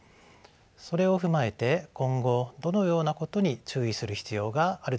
それを踏まえて今後どのようなことに注意する必要があるでしょうか。